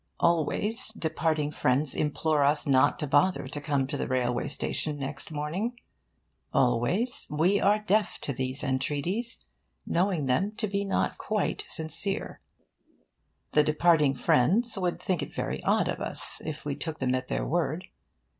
Always, departing friends implore us not to bother to come to the railway station next morning. Always, we are deaf to these entreaties, knowing them to be not quite sincere. The departing friends would think it very odd of us if we took them at their word.